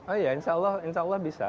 oh ya insya allah bisa